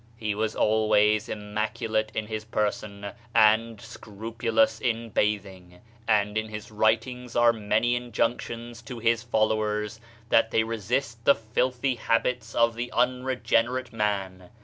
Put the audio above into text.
He was always immacu late in his person, and scrupulous in bathing, and in his writings are many injunctions to his followers that they resist the filthy habits of the unregenerate man.